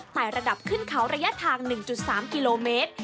แต่ระดับขึ้นเขาระยะทาง๑๓กิโลเมตร